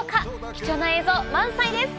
貴重な映像満載です！